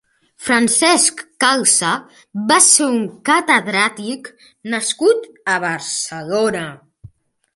Francesc Calça va ser un catedràtic nascut a Barcelona.